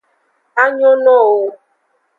A nyonowo wu.